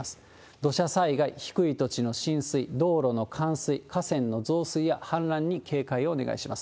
土砂災害、低い土地の浸水、道路の冠水、河川の増水や氾濫に警戒をお願いします。